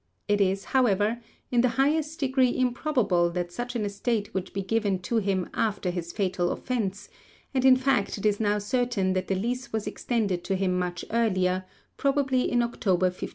It is, however, in the highest degree improbable that such an estate would be given to him after his fatal offence, and in fact it is now certain that the lease was extended to him much earlier, probably in October 1591.